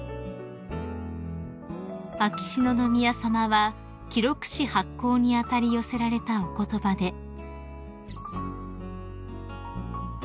［秋篠宮さまは記録誌発行に当たり寄せられたお言葉で］